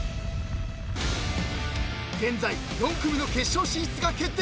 ［現在４組の決勝進出が決定］